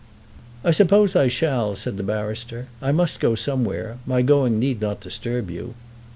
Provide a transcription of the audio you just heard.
"I suppose I shall," said the barrister. "I must go somewhere. My going need not disturb you."